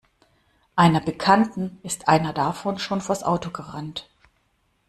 Einer Bekannten ist einer davon schon vors Auto gerannt.